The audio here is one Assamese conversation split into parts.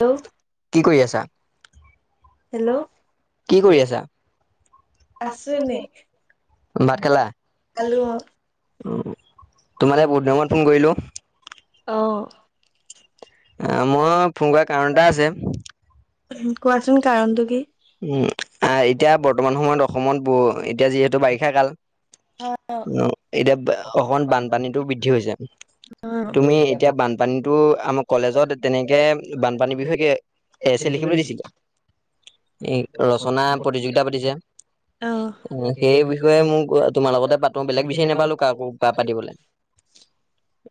ল্, কি কৰি আছা? হেল্ল' কি কৰি আছা? আছো এনে। ভাত খালা? খালো। [unintelligible] অ'। আ, মই ফোন কাৰণ এটা আছে কোৱাচোন কাৰণটো কি উম, আ, এতিয়া বৰ্তমান সময়ত অসমত ব এতিয়া যিহেতু বাৰি এতিয়া অসমত বানপানীটো বৃদ্ধি হৈছে, তুমি এতিয়া বানপানীটো আমাক কলেজত তেনেকে বানপানী বিষয়ে এছ এ লিখিবলৈ দিছিলে, ৰচনা প্ৰতিযোগিতা পাতিছে অ সেই ষয়ে মোক তোমাৰ লগতে পাতো বেলেগ বিচাৰি নাপালো কাকো পাতিবলে।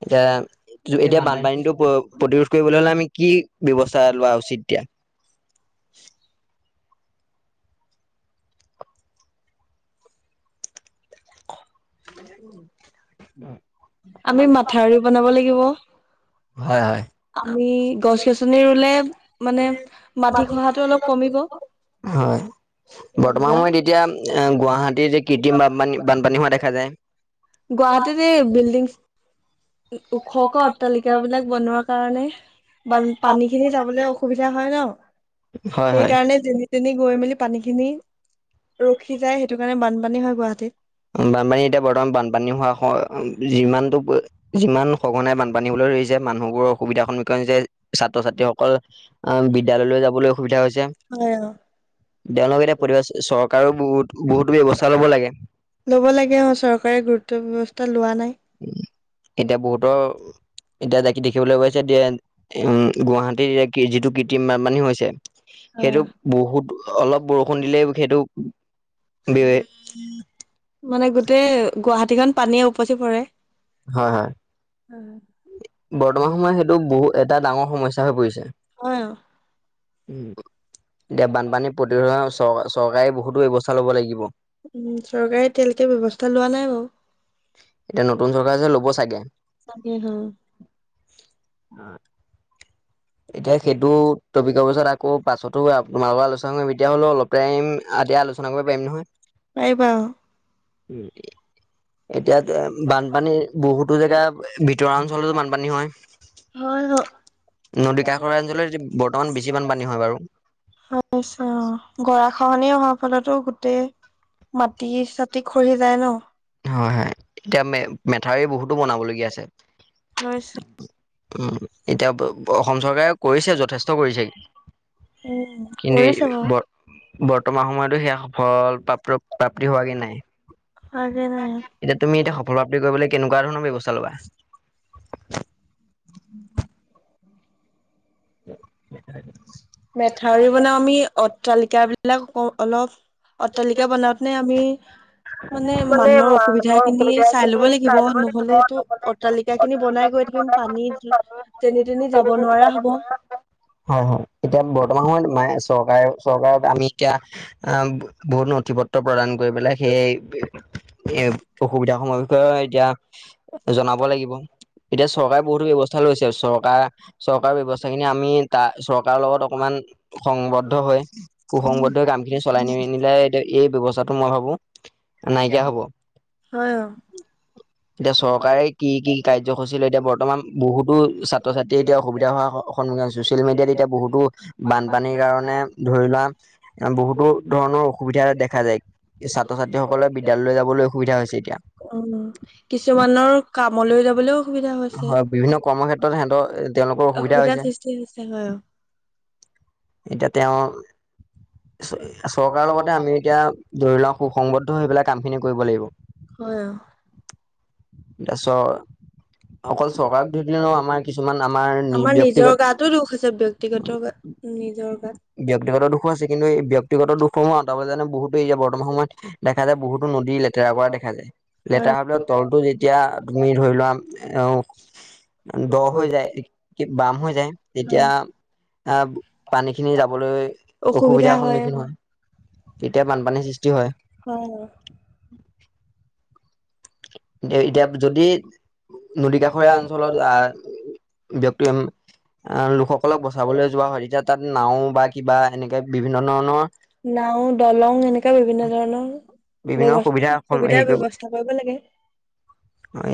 এতিয়া, এতিয়া বানপানীতো [unintelligible] প্ৰতিৰোধ কৰিবলৈ হ'লে আমি কি ব্যৱস্থা লোৱা উচিত এতিয়া? [unintelligible] আমি মাথাউৰি বনাব লাগিব। হয় হয়। আমি গছ-গছনি ৰুলে মানে মাটি খহাটো অলপ কমিব হয় বৰ্তমান সময়ত এতিয়া গুৱাহাটীৰ যে কৃত্ৰিম বানপানী বানপানী হোৱা দেখা যায়। গুৱাহাটীত এই বিল্ডিংছ ওখকৈ অট্টালিকাবিলাক বনোৱাৰ কাৰণে বান, পানীখিনি যাবলৈ অসুবিধা হয় ন। হয় হয়। সেইকাৰণে যেনি-তেনি গৈ মেলি পানীখিনি ৰখি যায়। সেইটো কাৰণে বানপানী হয় গুৱাহাটীত। বানপানী, এতিয়া বৰ্তমান বানপানী হোৱা হয় যিমানটো [unintelligible] যিমান সঘনাই বানপানী [unintelligible] যে মানুহবোৰৰ অসুবিধাৰ সন্মুখীন হৈছে ছাত্ৰ-ছাত্ৰীসকলৰ বিদ্যালয়লৈ যাবলৈ অসুবিধা হৈছে। হয় অ তেওঁলোকে এতিয়া প্ৰতিবাদ, চৰকাৰেও বহুত, বহুত ব্যৱস্থা ল'ব লাগে। ল'ব লাগে। অ', চৰকাৰে গুৰুত্ব, ব্যৱস্থা লোৱা নাই। এতিয়া বহুতৰ, এতিয়া যাকে দেখিবলৈ পাইছে [unintelligible] উম, গুৱাহাটীৰ যিটো কৃত্ৰিম বানপানী হৈছে, হয় সেইটো বহুত অলপ বৰষুণ দিলেই সেইটো বে মানে গোটেই গুৱাহাটীখন পানীয়ে উপচি পৰে হয়, হয়। বৰ্তমান সময়ত, সেইটো বহু এটা ডাঙৰ সমস্যা হৈ পৰিছে। অ'। উম। এতিয়া বানপানী উম, প্ৰতিৰোধ চৰ চৰকাৰে বহুতো ব্যৱস্থা ল'ব লাগিব। চৰকাৰে এতিয়ালৈকে ব্যৱস্থা লোৱা নাই এতিয়া নতুন চৰকাৰে যে ল'ব চাগে। [unintelligible] [unintelligible] [unintelligible] এতিয়া সেইটো টপিকৰ পিছত আকৌ পাছতো তোমালোকৰ আলোচনা কৰিম এতিয়া হলেও অলপ টাইম আদিয় আলোচনা কৰিব পাৰিম নহয়। পাৰিবা আৰু উম, [unintelligible] বহুতো জেগা ভিতৰুৱা অঞ্চলতো বানপানী হয়। [unintelligible] হয় অ, নদী কাষৰীয়া অঞ্চলত বৰ্তমান বেছি বানপানী হয় বাৰু হৈছে গৰা খহনে হক হৈ অ, ফলতো গোটেই মাটি চ টি খহি যায় ন। হয়-হয়। এতিয়া মে মেথাউৰি বহুতো বনাবলগীয়া আছে। হৈছে উম, এতিয়া অসম চৰকাৰে কৰিছে যথেষ্ট কৰিছেগ উম কিন্তু কৰিছে বাৰু বৰ্তমান সময়তো সেয়া সফল প্ৰাপ্ত প্ৰাপ্তি হোৱাকৈ নাই। হাগে নাই এতিয়া তুমি এতিয়া সফল প্ৰাপ্তি কৰিবলৈ কেনেকুৱা ধৰণৰ ব্যৱস্থা লবা। উম। উম। মেঠউৰি বনাও, আমি অট্টালিকা বুলি এইবিলাক অলপ অট্টালিকা বনাওঁতে নে আমি মানে মানুহৰ অসুবিধা খিনি চাই লব লাগিব নহলেতটো অটালিকা খিনি বনাই গৈ থাকিম পানী তেনি তেনি যাব নোৱাৰা হব। হয় হয় এতিয়া বৰ্তমান সময়ত ম চৰকাৰে চৰকাৰত আমি এতিয়া অ', বহুত নথি পত্ৰ প্ৰদান কৰি পেলাই সেইয় ন এ অসুবিধা সমূহৰ বিষয়ে এতিয়া জনাব লাগিব এতিয়া চৰকাৰে বহুতো ব্যৱস্থাই লৈছে চৰকাৰ চৰকাৰৰ ব্যৱস্থা খিনি আমি তাৰ চৰকাৰৰ লগত অকমান সংবদ্ধ হৈ সুসংবদ্ধ হৈ কামখিনি চলাই নিনিলে এতিয়া এই টো মই ভাবো নাইকিয়া হব। হয় অঁ। এতিয়া চৰকাৰে কি কি কাৰ্যসূচী লয় এতিয়া বৰ্তমান বহুতো ছাত্ৰ -ছাত্ৰী এতিয়া অসুবিধা হোৱা সন্মুখীন ছচিয়েল মিডিয়াত এতিয়া বহুতো বানপানীৰ কাৰণে ধৰি লোৱা বহুতো ধৰণৰ অসুবিধা দেখা যায় ছাত্ৰ -ছাত্ৰী সকলে বিদ্যালয়লৈ যাবলৈ অসুবিধা হৈছে এতিয়া। উম কিছুমানৰ কামলৈ যাবলৈও অসুবিধা হৈছে, হয় বিভিন্ন কৰ্মক্ষেত্ৰত সিহঁতৰ তেওঁলোকৰ অসুবিধা অসুবিধাৰ হৈছে সৃষ্টি হৈছে হয়। এতিয়া তেওঁ চৰকাৰৰ লগতে আমি এতিয়া ধৰি লও সু-সংবদ, নহয়, সেইবেলাক কাম খিনি কৰিব লাগিব। হয় অ। এতিয়া চ অকল চৰকাৰক ধৰি দিলেও আমাৰ কিছুমান আমাৰ আমাৰ ব্যক্তিগত নিজৰ গাতো দুখ আছে, ব্যক্তিগত গাত নিজৰ গাত। ব্যক্তিগত দুখো আছে, কিন্তু এই ব্যক্তিগত দুখসমূহ আঁতৰাব জানো! বহুতে এতিয়া বৰ্তমান সময়ত দেখা যায় বহুতো নদী লেতেৰা কৰা দেখা যায়, লেতেৰা হয় পেলাই তল এতিয়া তুমি ধৰি লোৱা দ হৈ যায় বাম হৈ যায় হয়। তেতিয়া আহ পানী যাবলৈ অসুবিধা অসুবিধাৰ সন্মুখীন অ হয় তেতিয়া বানপানীৰ সৃষ্টি হয় হয় হয় এতিয়া যদি নদী নাও কাষৰীয়া অঞ্চলত আহ ব্যক্তি দলং আহ লোকসকলক বচাবলৈ যোৱা হয় তেতিয়া তাত এনেকা নাও বা কিবা এনেকে ধৰণৰ বিভিন্ন ধৰণৰ বিভিন্ন [unintelligible] সুবিধা সুবিধাৰ হেৰি ব্যৱস্থাৰ কৰিব লাগে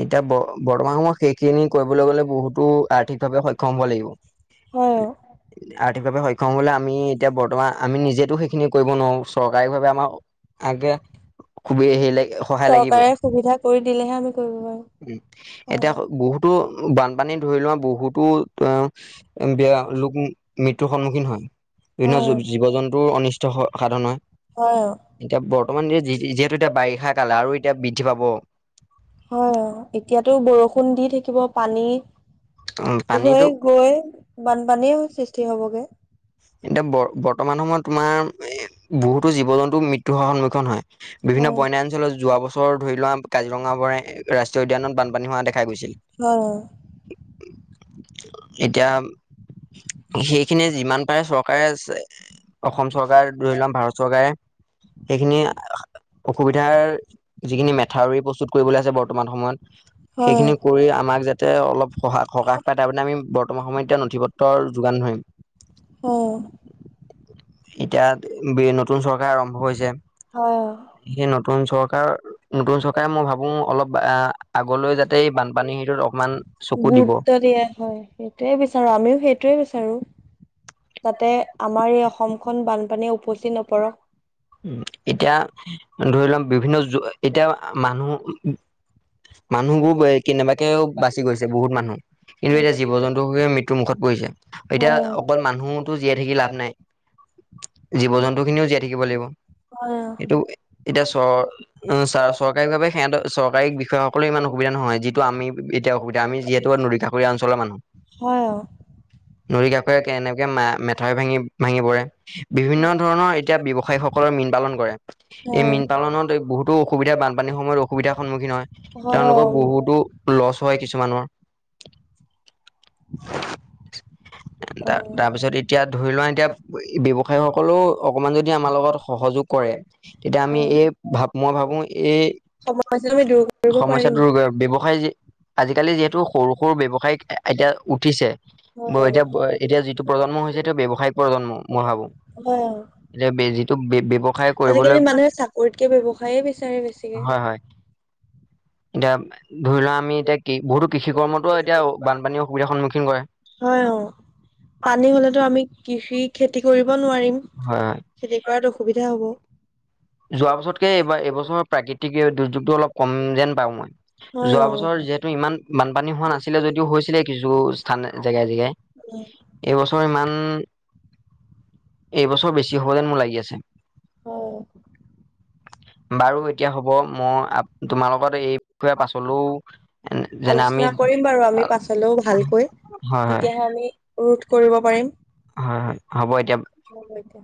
এতিয়া ব বৰ্তমান সময়ত সেইখিনি কৰিবলৈ গলে বহুতো আৰ্থিকভাৱে সক্ষম হব লাগিব হয় অ। আৰ্থিকভাৱে সক্ষম হবলে আমি এতিয়া বৰ্তমান আমি নিজেতো সেইখিনি কৰিব নোৱাৰো চৰকাৰী ভাৱে আমাৰ আে চৰকাৰে সুবিধা কৰি দিলেহে আমি কৰিব পাৰিম। উ হয় এতিয়া বহুতো বানপানী ধৰি লোৱা বহুতো বেয়া লোক মৃত্যুৰ সন্মুখীন হয় বিভিন্ন হয় জীৱ জন্তুৰ অনিষ্ট সাধন হয় হয় এতিয়া বৰ্তমান যে যিহেতু এতিয়া বাৰিষা কাল আৰু এতিয়া বৃদ্ধি পাব হয় অ এতিয়াতো বৰষুণ দি থাকিব পানী উম, হৈ পানীতো গৈ বানপানেই সৃষ্টি হবগে এতিয়া বৰ বৰ্তমান সময়ত তোমাৰ এ বহুতো জী জন্তু মৃত্যু হ সন্মুখীন হয় বিভিন্ন হয় ব ইনা অঞ্চলত যোৱা বছৰ ধৰি লোৱা কাজিৰঙাবোৰে ৰাষ্ট্ৰীয় উদ্যানত বানপানী হোৱা দেখা গৈছিল। এতিয়া সেইখিনিয়ে যিমান অসম চৰকাৰ ধৰি ল ভাৰত গায় সেইখিনি অসুবিধাৰ যিখিনি মেথাউৰি প্ৰস্তুত কৰিবলৈ আছে বৰ্তমান সময়ত হয় হয় সেইখিনি কৰি আমাক যাতে অলপ স সকাহ পায় তাৰমানে আমি বৰ্তমান সময়ত এতিয়া নথি পত্ৰৰ যোগান ধৰিম অ এতিয়া নতুন চৰকাৰ আৰম্ভ হৈছে হয় সেই নতুন চৰকাৰ নতুন চৰকাৰে মই ভাবোঁ অলপ আগলৈ যাতে বানপানীৰ সেইটোত অকণমান গুৰুত্ব দিয়া হয় সেইটোয়ে বিচাৰো আমিও সেইটোয়ে বিচাৰো যাতে আমাৰ এই অসমখন বানপানীয়ে উপচি নপৰক উ এতিয়া ধৰি লোৱা বিভিন্ন জএতিয়া মানুহ মানুহবোৰ কেনেবাকে বাচি গৈছে বহুত মানুহ কিন্ত এতিয়া জীৱ জন্তু সু সুৰে মৃত্যু টো মুখত পৰিছে। এতিয়া অকল মানুহ জীয়াই থাকি লাভ নাই, জীৱ জন্তু খিনিও জীয়াই থাকিব লাগিব। হয় এইটো এতিয়া চ চ চৰকাৰী ভাৱে সিহঁতৰ চৰকাৰী বিষয়াসকললে ইমান অসুবিধা নহয় যিহটো আমি এতিয়া অসুবিধা আমি যিহেতু নদীকাষুৰীয়া অঞ্চলৰ মানুহ। হয় অঁ। নদী কাষৰে এনেকে মা মেঠাই ভাঙি ভাঙি পৰে বিভিন্ন হয় ধৰণৰ এতিয়া ব্যৱসায়ি স সকলোৱে মীন পালন কৰে। এই হয়। মীন পালনত এই বহুতো সুবিধা বানপানীৰ সময়ত অসুবিধাৰ সন্মুীন হয় হয় তেওঁলোকৰ অ', বহুতো লছ হয় কিছুমানৰ। অ'। তাৰ পিছত এতিয়া ধৰি লোৱা এতিয়া ব্যৱসায়ী সকলেও অকমান যদি আমাৰ লগত সহযোগ কৰে, তেতিয়া আমি এই ভাৱ মই ভাবোঁ এই সমস্যাটো আমি দূৰ কৰিব পাৰিম সমস্যাটোৰ ব্যৱসায় আজিকালি যিহেতু সৰু সৰু ব্যৱসায়িক এতিয়া উঠিছে। ব হয়। এতিয়া এতিয়া যি টো প্ৰজন্ম হৈছে এইটো ব্যৱসায়িক প্ৰজন্ম মই ভাবো। হয়। টোক ব্যৱ- আজিকালি মানুহে চাকৰিতকে ব্যৱসায়ে বিচাৰে বেছিকে। হয় হয় এতিয়া ধৰি লোৱা আমি এতিয়া বহুতো কৃষি কৰ্মতো এতিয়া বানপানী অসুবিধাৰ সন্মুখীন কৰে। হয় অ পানী হলেতো আমি কৃষি খেতি কৰিব নোৱাৰিম হয় হয় খেতি কৰাত অসুবিধা হ'ব। যোৱা বছৰতকে এইবাৰ এইবছৰৰ প্ৰাকৃ তিক দুৰ্যোগটো অলপ কম যেন পাওঁ মই। হয় যোৱা অ'। বছৰ যিহেতু ইমান মান বান পানী হোৱা নাচি ছিলে যদিও হৈছিলে কিছু জেগাই জেগাই এইবছৰ ইমান এইবছৰ বেছি হ'ব যেন মোৰ লাগি আছে। বাৰু এতিয়া হব তোমাৰ লগত মই এই বিষয়ে পাছতো পাছলৈও যেনে আমি আলোচনা কৰিম বাৰু আমি হয় পাছলৈও ভালকৈ হয় তেতিয়াহে আমি ৰোধ কৰিব পাৰিম। হয় হয় হ'ব এতিয়া। হ'ব এতিয়া।